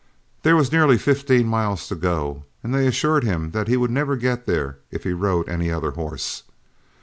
There was nearly fifteen miles to go, and they assured him that he would never get there if he rode any other horse.